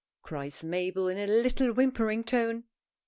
cries Mabel, in a little whimpering' tone.